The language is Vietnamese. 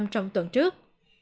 trong tuần trước